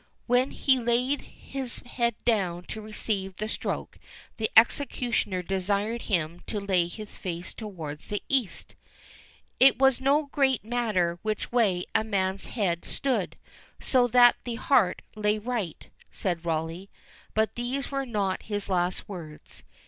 _" When he laid his head down to receive the stroke, the executioner desired him to lay his face towards the east. "It was no great matter which way a man's head stood, so that the heart lay right," said Rawleigh; but these were not his last words.